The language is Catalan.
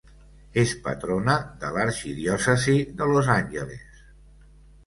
És patrona de l'Arxidiòcesi de Los Angeles.